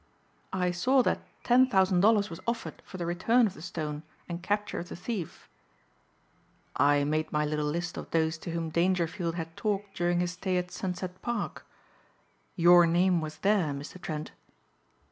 "I saw that ten thousand dollars was offered for the return of the stone and capture of the thief." "I made my little list of those to whom Dangerfield had talked during his stay at Sunset Park. Your name was there, Mr. Trent."